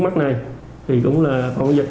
thì cũng là phòng giao dịch